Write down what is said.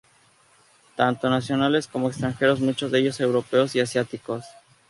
Tanto nacionales como extranjeros, muchos de ellos europeos y asiáticos.